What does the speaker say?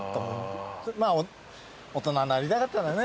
まあ大人になりたかったんだね。